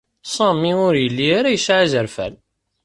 Sami ur yelli ara yesɛa izerfan.